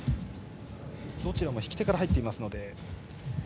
どちらも引き手から入っています。